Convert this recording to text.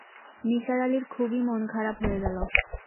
নিসার আলির খুবই মন-খারাপ হয়ে গেল।